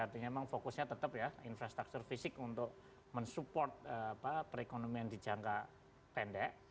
artinya memang fokusnya tetap ya infrastruktur fisik untuk mensupport perekonomian di jangka pendek